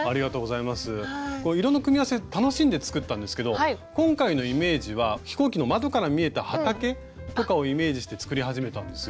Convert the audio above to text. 楽しんで作ったんですけど今回のイメージは飛行機の窓から見えた畑とかをイメージして作り始めたんですよ。